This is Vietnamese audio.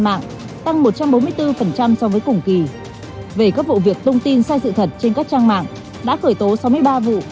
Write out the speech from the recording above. mạng tăng một trăm bốn mươi bốn so với cùng kỳ về các vụ việc thông tin sai sự thật trên các trang mạng đã khởi tố sáu mươi ba vụ